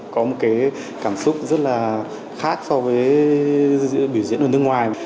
có một cái cảm xúc rất là khác so với biểu diễn ở nước ngoài